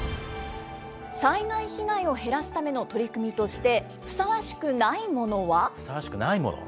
災害被害を減らすための取り組みふさわしくないもの。